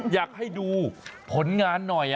อยากให้ดูผลงานหน่อย